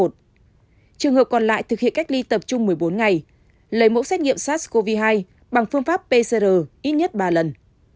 trường hợp còn lại thực hiện cách ly tập trung một mươi bốn ngày lấy mẫu xét nghiệm sars cov hai bằng phương pháp pcr ít nhất ba lần